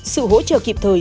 sự hỗ trợ kịp thời